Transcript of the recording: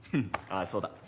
ああそうだ。